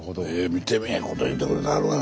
見てみええこと言うてくれてはるがな。